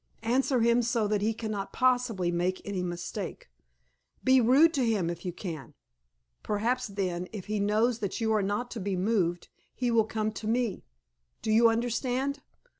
Answer him so that he cannot possibly make any mistake. Be rude to him if you can. Perhaps then, if he knows that you are not to be moved, he will come to me. Do you understand?"